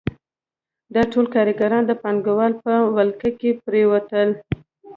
دا ټول کارګران د پانګوالو په ولکه کې پرېوتل